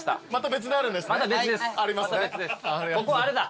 ここはあれだ。